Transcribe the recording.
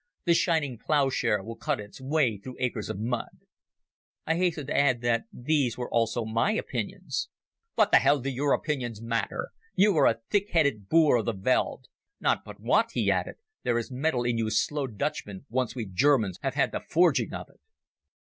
The shining ploughshare will cut its way through acres of mud." I hastened to add that these were also my opinions. "What the hell do your opinions matter? You are a thick headed boor of the veld ... Not but what," he added, "there is metal in you slow Dutchmen once we Germans have had the forging of it!"